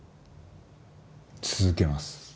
続けます。